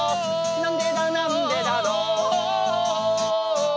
「なんでだなんでだろう」